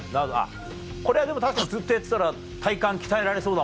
これは確かにずっとやってたら体幹鍛えられそうだもんね。